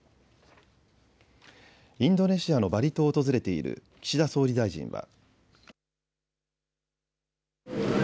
インドネシアのバリ島を訪れている岸田総理大臣は。